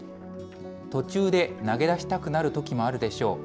途中で投げ出したくなるときもあるでしょう。